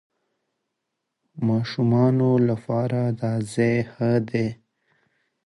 د ماشومانو لپاره دا ځای ښه دی.